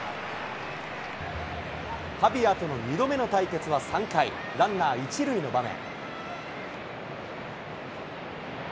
ハビアーとの２度目の対決は３回、ランナー１塁の場面。